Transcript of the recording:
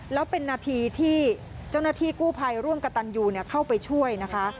แล้วเป็นนาทีที่เจ้าหน้าที่กู้ภัยร่วมกับตันยูเข้าไปช่วยนะคะ